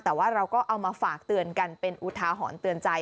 แต่ว่าเราก็เอามาฝากเตือนกันเป็นอุทาหรณ์เตือนใจ